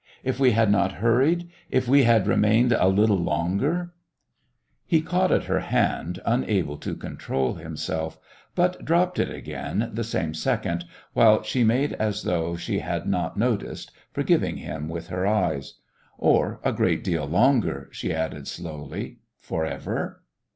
If we had not hurried if we had remained a little longer " He caught at her hand, unable to control himself, but dropped it again the same second, while she made as though she had not noticed, forgiving him with her eyes. "Or a great deal longer," she added slowly "for ever?"